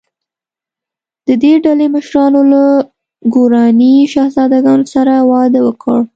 د دې ډلې مشرانو له ګوراني شهزادګانو سره واده وکړ.